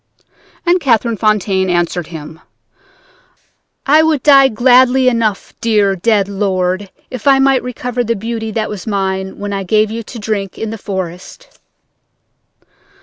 "And Catherine Fontaine answered him: "'I would die gladly enough, dear, dead lord, if I might recover the beauty that was mine when I gave you to drink in the forest.'